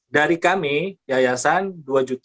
dari kami yayasan dua juta